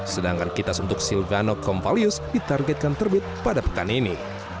sedangkan kitas untuk silvano compalius ditargetkan terbit pada pekan ini